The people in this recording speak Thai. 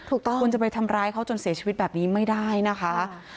ถูกต้องคุณจะไปทำร้ายเขาจนเสียชีวิตแบบนี้ไม่ได้นะคะ